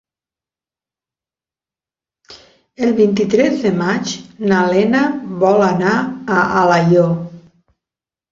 El vint-i-tres de maig na Lena vol anar a Alaior.